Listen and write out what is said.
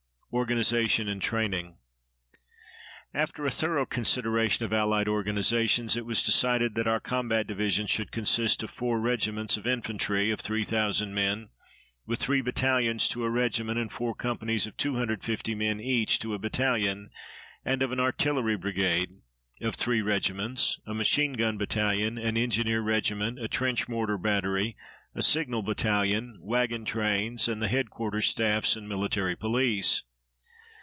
ORGANIZATION AND TRAINING After a thorough consideration of allied organizations, it was decided that our combat division should consist of four regiments of infantry of 3,000 men, with three battalions to a regiment and four companies of 250 men each to a battalion, and of an artillery brigade of three regiments, a machine gun battalion, an engineer regiment, a trench mortar battery, a signal battalion, wagon trains, and the headquarters staffs and military police.